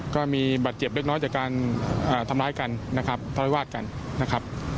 ก็มีบัตรเจ็บเล็กน้อยจากการทำร้ายกันนะครับทะเลาวิวาสกันนะครับ